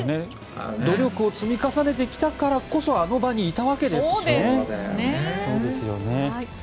努力を積み重ねてきたからこそあの場にいたわけですしね。